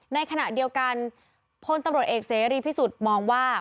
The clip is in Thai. ในขณะเดียวกันพลตำรวจเอกเสรีพิสุทธิ์มองว่า